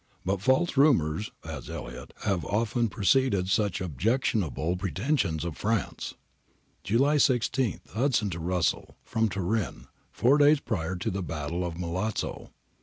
But false rumours, adds Elliot, have often preceded such objectionable pretensions of Prance. July 1 6. Hudson to Rjissell. From Turin. [Four days prior to the battle of Milazzo.